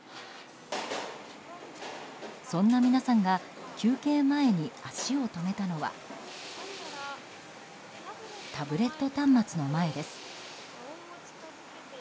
そんな皆さんが休憩前に足を止めたのはタブレット端末の前です。